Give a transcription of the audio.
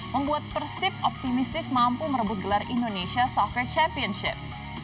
membuat persib optimistis mampu merebut gelar indonesia software championship